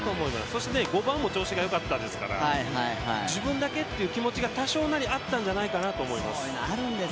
そして５番も調子がよかったですから、自分だけという気持ちが多少なりあったんじゃないかなと思います。